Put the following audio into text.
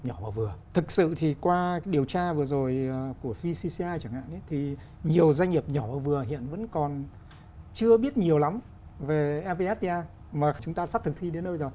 nhiều doanh nghiệp nhỏ vừa hiện vẫn còn chưa biết nhiều lắm về mvfta mà chúng ta sắp thực thi đến nơi rồi